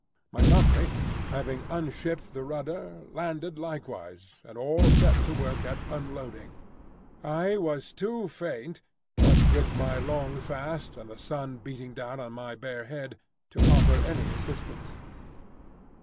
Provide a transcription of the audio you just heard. Montgomery, having unshipped the rudder, landed likewise, and all set to work at unloading. I was too faint, what with my long fast and the sun beating down on my bare head, to offer any assistance.